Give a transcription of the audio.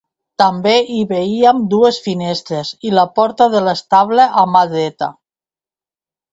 També hi veiem dues finestres i la porta de l'estable a mà dreta.